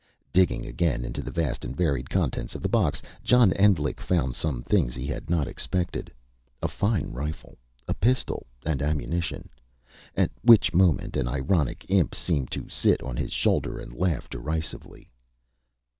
Digging again into the vast and varied contents of the box, John Endlich found some things he had not expected a fine rifle, a pistol and ammunition. At which moment an ironic imp seemed to sit on his shoulder, and laugh derisively.